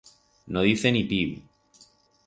No dice ni piu.